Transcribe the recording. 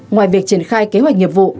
ngoài việc triển khai kế hoạch nghiệp vụ